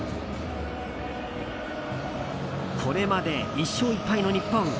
これまで１勝１敗の日本。